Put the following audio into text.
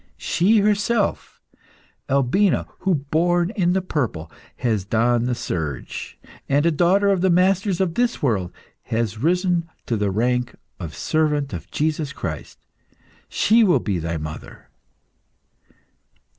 "She herself! Albina, who, born in the purple, has donned the serge, and a daughter of the masters of this world, has risen to the rank of servant of Jesus Christ. She will be thy mother."